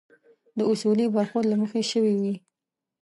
د اصولي برخورد له مخې شوي وي.